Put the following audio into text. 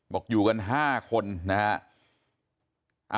บอกอยู่กันห้าคนนะฮะ